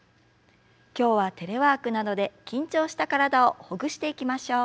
今日はテレワークなどで緊張した体をほぐしていきましょう。